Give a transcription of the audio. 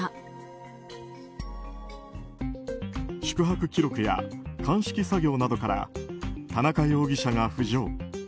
宿泊記録や鑑識作業などから田中容疑者が浮上。